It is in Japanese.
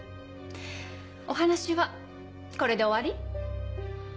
お話はこれで終わり？